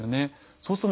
そうなると。